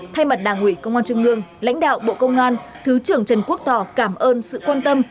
thay mặt đảng ủy công an trung ương lãnh đạo bộ công an thứ trưởng trần quốc tỏ cảm ơn sự quan tâm